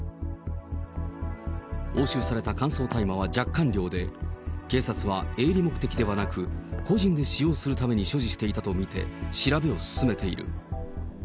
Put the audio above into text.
押収された乾燥大麻は若干量で、警察は営利目的ではなく、個人で使用するために所持していたとみて、調べを進めている。